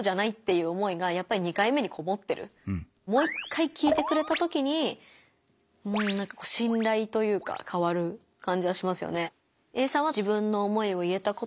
でももう一回聞いてくれたときになんかしんらいというか変わる感じはしますよね。